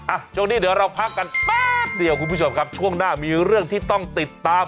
ช่วงนี้เดี๋ยวเราพักกันแป๊บเดียวคุณผู้ชมครับช่วงหน้ามีเรื่องที่ต้องติดตาม